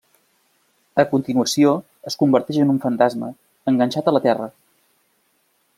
A continuació, es converteix en un fantasma, enganxat a la terra.